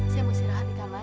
saya mau siar siar di kamar